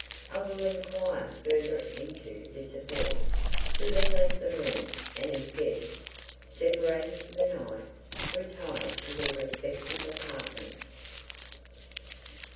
I will enquire further into this affair." He then left the room; and his guests, separating for the night, retired to their respective apartments.